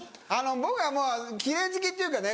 僕はもう奇麗好きっていうかね